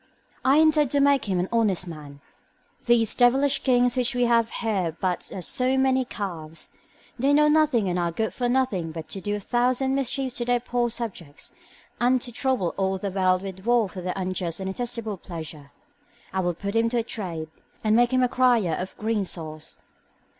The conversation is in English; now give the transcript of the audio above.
I intend to make him an honest man. These devilish kings which we have here are but as so many calves; they know nothing and are good for nothing but to do a thousand mischiefs to their poor subjects, and to trouble all the world with war for their unjust and detestable pleasure. I will put him to a trade, and make him a crier of green sauce.